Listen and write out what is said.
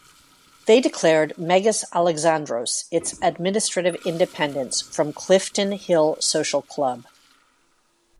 They declared Megas Alexandros its administrative independence from Clifton Hill Social Club.